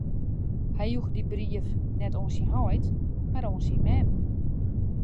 Hy joech dy brief net oan syn heit, mar oan syn mem.